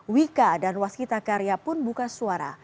wika dan waskita karya pun buka suara